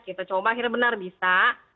kita coba akhirnya benar bisa